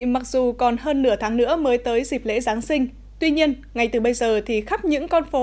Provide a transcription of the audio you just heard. mặc dù còn hơn nửa tháng nữa mới tới dịp lễ giáng sinh tuy nhiên ngay từ bây giờ thì khắp những con phố